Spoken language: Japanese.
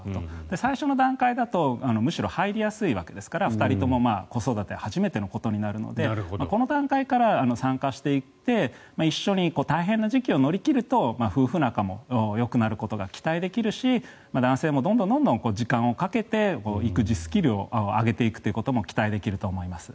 最初の段階だとむしろ入りやすいわけですから２人とも子育てが初めてになるわけなのでこの段階から参加していって一緒に大変な時期を乗り切ると夫婦仲もよくなることが期待できるし男性もどんどん時間をかけて育児スキルを上げていくということも期待できると思います。